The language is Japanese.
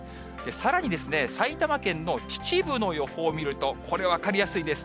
さらに埼玉県の秩父の予報を見ると、これ、分かりやすいです。